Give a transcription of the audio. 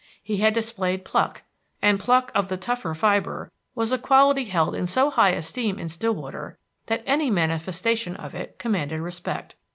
He had displayed pluck, and pluck of the tougher fibre was a quality held in so high esteem in Stillwater that any manifestation of it commanded respect.